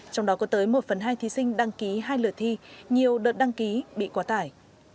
trong đó có tới một phần hai thí sinh đăng ký hai lượt thi nhiều đợt đăng ký bị quá tải